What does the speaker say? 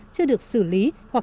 chưa được xử lý hoặc xử lý không đạn